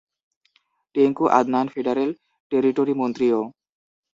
Tengku Adnan Federal Territory মন্ত্রীও।